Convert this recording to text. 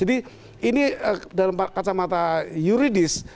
ini dalam kacamata juridis